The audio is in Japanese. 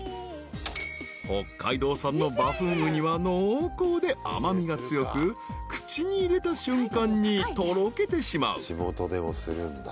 ［北海道産のバフンウニは濃厚で甘味が強く口に入れた瞬間にとろけてしまう］